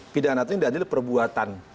pidana itu berarti perbuatan